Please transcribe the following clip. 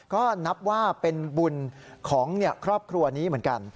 ก็นับว่าเป็นบุญของครอบครัวนี้เหมือนกัน